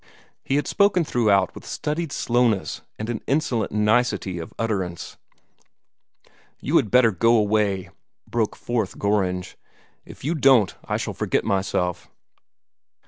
He had spoken throughout with studied slowness and an insolent nicety of utterance. "You had better go away!" broke forth Gorringe. "If you don't, I shall forget myself."